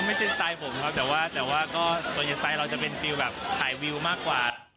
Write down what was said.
สไตล์ผมครับแต่ว่าก็ส่วนใหญ่สไตล์เราจะเป็นฟิลแบบถ่ายวิวมากกว่า